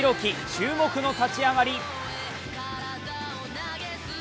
注目の立ち上がり。